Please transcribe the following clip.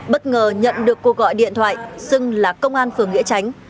bất ngờ nhận được cô gọi điện thoại xưng là công an phường nghĩa tránh